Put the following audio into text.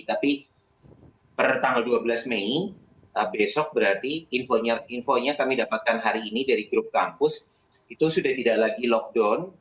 tapi per tanggal dua belas mei besok berarti infonya kami dapatkan hari ini dari grup kampus itu sudah tidak lagi lockdown